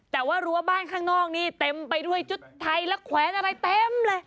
แต่ว่ารั้วบ้านข้างนอกนี่เต็มไปด้วยชุดไทยและแขวนอะไรเต็มเลย